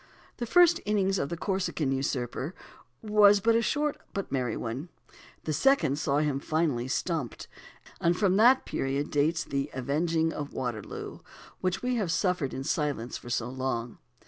The first "innings" of the Corsican usurper was a short but merry one; the second saw him finally "stumped." And from that period dates the "avenging of Waterloo" which we have suffered in silence for so long.